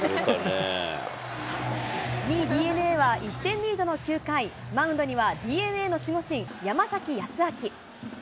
２位ＤｅＮＡは１点リードの９回、マウンドにはＤｅＮＡの守護人、山崎康晃。